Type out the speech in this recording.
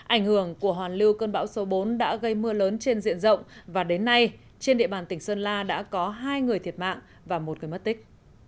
ảnh hưởng của hoàn lưu cơn bão số bốn đã gây mưa lớn trên diện rộng và đến nay trên địa bàn tỉnh sơn la đã có hai người thiệt mạng và một người mất tích